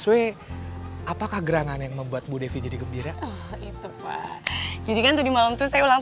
saya apakah gerangan yang membuat bu devi jadi gembira itu jadi kan di malam tuh saya ulang